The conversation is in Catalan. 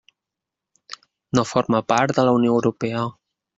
No forma part de la Unió Europea.